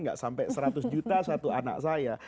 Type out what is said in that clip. nggak sampai seratus juta satu anak saya